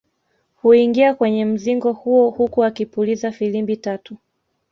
Huingia kwenye mzingo huo huku akipuliza filimbi tatu